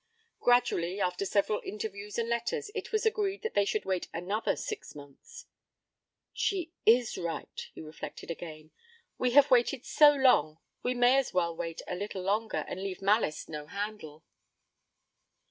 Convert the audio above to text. Gradually, after several interviews and letters, it was agreed that they should wait another six months. 'She is right,' he reflected again. 'We have waited so long, we may as well wait a little longer and leave malice no handle.'